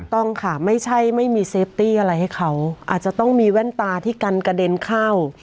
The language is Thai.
ต้องค่ะไม่ใช่ไม่มีเซฟตี้อะไรให้เขาอาจจะต้องมีแว่นตาที่กันกระเด็นเข้า